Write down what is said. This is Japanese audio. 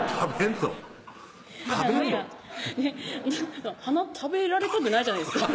鼻食べられたくないじゃないですか